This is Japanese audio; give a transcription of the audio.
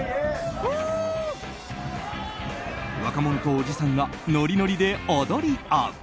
若者とおじさんがノリノリで踊り合う。